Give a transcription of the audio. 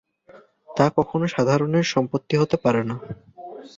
তা কখনও সাধারণের সম্পত্তি হতে পারে না।